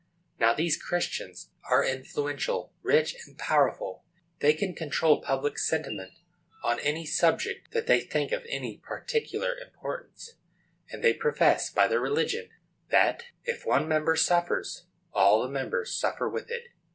Now, these Christians are influential, rich and powerful; they can control public sentiment on any subject that they think of any particular importance, and they profess, by their religion, that "if one member suffers, all the members suffer with it."